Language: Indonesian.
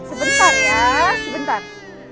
sebentar ya sebentar